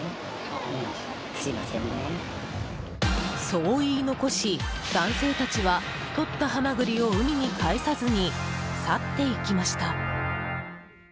そう言い残し、男性たちはとったハマグリを海に返さずに去っていきました。